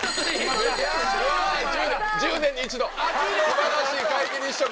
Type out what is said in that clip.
素晴らしい皆既日食！